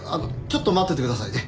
ちょっと待っててくださいね。